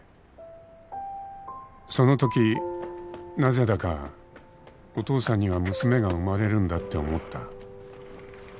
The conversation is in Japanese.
「そのときなぜだかお父さんには娘が生まれるんだって思った」